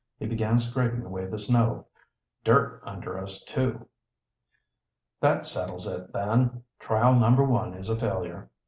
He began scraping away the snow. "Dirt under us, too." "That settles it, then. Trial No. 1 is a failure.